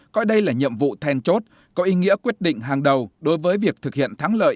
coi đây là nhiệm vụ then chốt có ý nghĩa quyết định hàng đầu đối với việc thực hiện thắng lợi